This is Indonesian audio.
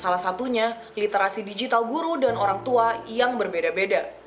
salah satunya literasi digital guru dan orang tua yang berbeda beda